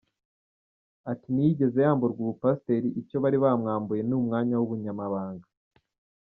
Ati “Ntiyigeze yamburwa ubupasiteri icyo bari bamwambuye ni umwanya w’ubunyamabanga.